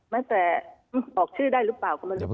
แม้แต่บอกชื่อได้หรือเปล่าก็ไม่รู้